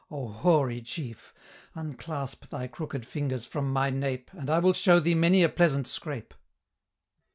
O hoary chief! Unclasp thy crooked fingers from my nape, And I will show thee many a pleasant scrape."